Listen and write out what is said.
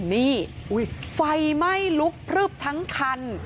นี่ไฟไหม้ลุกพลึบทั้งคัน